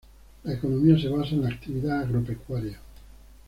La economía se basa en la actividad agropecuaria.